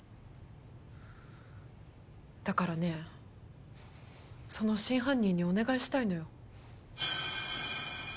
だからねその真犯人にお願いしたいのよ。